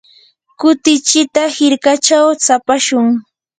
kutichita hirkachaw tsapashun.